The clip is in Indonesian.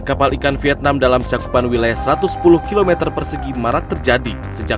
kapal ikan vietnam dalam cakupan wilayah satu ratus sepuluh km persegi marak terjadi sejak